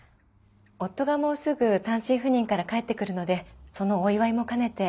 夫がもうすぐ単身赴任から帰ってくるのでそのお祝いも兼ねて。